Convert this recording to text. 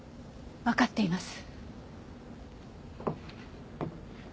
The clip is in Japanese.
わかっています。